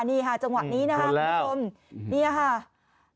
นี่ค่ะจังหวะนี้นะคะคุณผู้ชมนี่ค่ะเห็นแล้ว